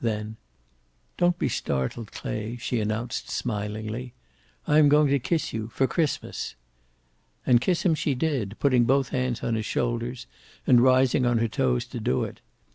Then, "Don't be startled, Clay," she announced, smilingly. "I am going to kiss you for Christmas." And kiss him she did, putting both hands on his shoulders, and rising on her toes to do it.